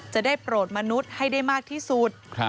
จะได้โปรดมนุษย์ให้ได้มากที่สุด